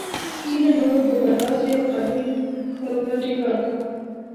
ځینو نورو پر برلاسي او قلمي کارونو ټینګار کاوه.